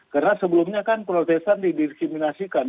karena sebelumnya kan protestan didiskriminasikan